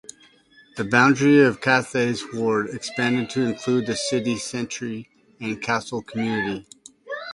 The boundary of Cathays ward expanded to include the city centre (and Castle community).